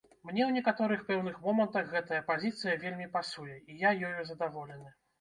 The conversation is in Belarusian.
Мне ў некаторых пэўных момантах гэтая пазіцыя вельмі пасуе і я ёю задаволены.